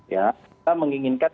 ya kita menginginkan